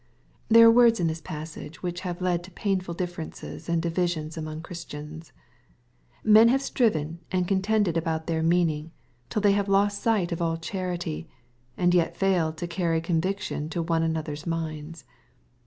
There are words in this passage which have led to pain ful differences and divisions among Christians. Men have striven and contended about their meaning, till they have lost sight of all charity, and yet failed to carry con viction to one another's minds.